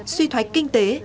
suy thoái kinh tế